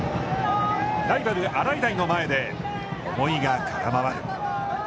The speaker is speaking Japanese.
ライバルの洗平の前で思いが空回る。